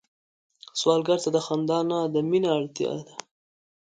سوالګر ته د خندا نه، د مينه اړتيا ده